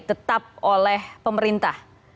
tetap oleh pemerintah